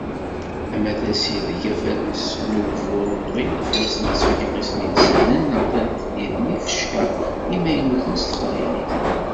Ama d asideg, afares n ugbur umḍin, afares n yisefka isnilsanen neɣ taneflit n yifecka imaynuten s teqbaylit.